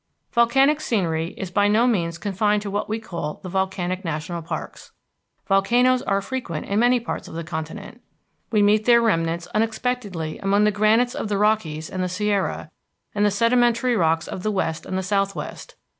Volcanic scenery is by no means confined to what we call the volcanic national parks. Volcanoes were frequent in many parts of the continent. We meet their remnants unexpectedly among the granites of the Rockies and the Sierra, and the sedimentary rocks of the west and the southwest.